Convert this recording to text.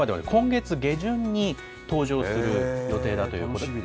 実際のドラマでは今月下旬に登場する予定だということです。